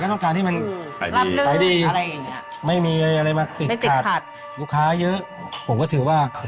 จ๋อก็ดีมานั้นแหละวันเปิดร้านทุกวันนี้คือดีมาตลอด